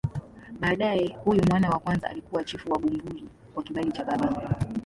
Baadaye huyu mwana wa kwanza alikuwa chifu wa Bumbuli kwa kibali cha baba.